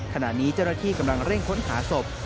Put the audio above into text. ขณะนี้เจ้าหน้าที่กำลังเร่งค้นหาศพ